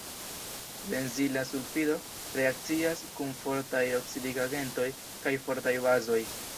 Benzila sulfido reakcias kun fortaj oksidigagentoj kaj fortaj bazoj.